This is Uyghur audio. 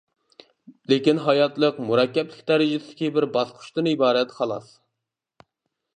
لېكىن ھاياتلىق مۇرەككەپلىك دەرىجىسىدىكى بىر باسقۇچتىن ئىبارەت، خالاس.